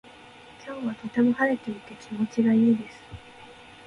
今日はとても晴れていて気持ちがいいです。